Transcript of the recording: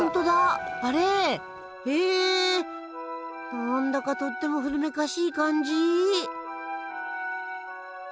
何だかとっても古めかしい感じ。